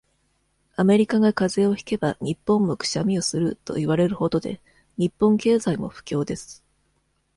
アメリカが風邪をひけば、日本もクシャミをする、といわれる程で、日本経済も不況です。